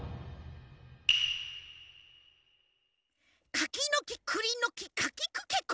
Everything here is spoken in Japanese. かきのきくりのきかきくけこ！